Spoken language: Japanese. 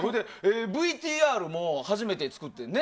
ＶＴＲも初めて作ってね。